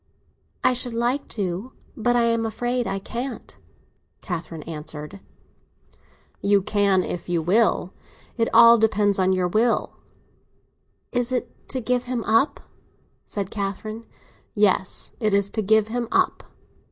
"I should like to—but I am afraid I can't," Catherine answered. "You can if you will. It all depends on your will." "Is it to give him up?" said Catherine. "Yes, it is to give him up."